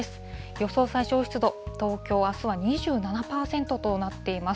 予想最小湿度、東京、あすは２７％となっています。